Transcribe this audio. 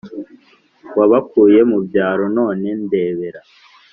wabakuye mu byaro none ndebera